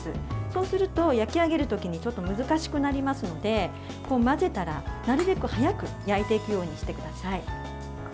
そうすると焼き上げる時にちょっと難しくなりますので混ぜたらなるべく早く焼いていくようにしてください。